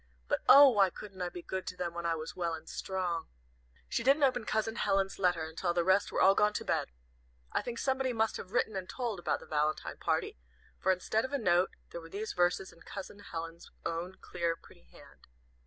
"But, oh, why couldn't I be good to them when I was well and strong!" She didn't open Cousin Helen's letter until the rest were all gone to bed. I think somebody must have written and told about the valentine party, for instead of a note there were these verses in Cousin Helen's own clear, pretty hand.